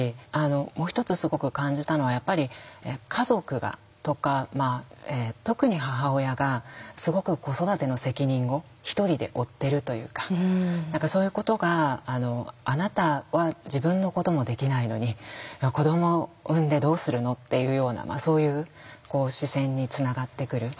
もう一つすごく感じたのはやっぱり家族がとか特に母親がすごく子育ての責任を一人で負ってるというか何かそういうことが「あなたは自分のこともできないのに子どもを産んでどうするの」っていうようなそういう視線につながってくる。